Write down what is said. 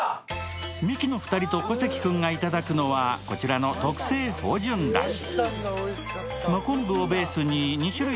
ミキの２人と小関君がいただくのはこちらの特製芳醇だし。